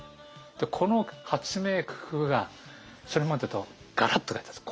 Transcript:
この発明工夫がそれまでとガラッと変えたんです。